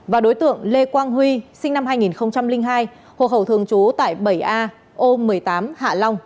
và đối tượng lê quang huy sinh năm hai nghìn hai hồ hậu thường trú tại bảy a ô một mươi tám hạ long